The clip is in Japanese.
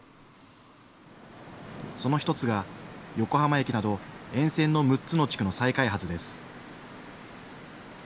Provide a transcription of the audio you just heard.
その一つが、横浜駅など沿線の６つの地区の再開発です。